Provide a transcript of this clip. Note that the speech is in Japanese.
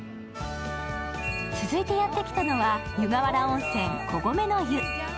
続いてやってきたのは湯河原温泉こごめの湯。